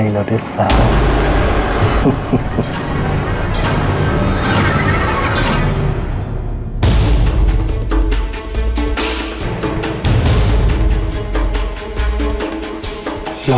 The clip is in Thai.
นี่ล่ะเด็กสาว